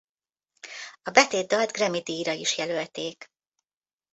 A betétdalt Grammy-díjra is jelölték.